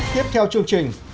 tiếp theo chương trình